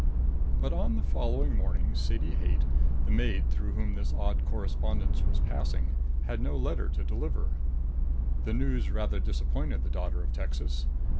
But on the following morning Sadie Haight, the maid through whom this odd correspondence was passing, had no letter to deliver. The news rather disappointed the daughter of Texas.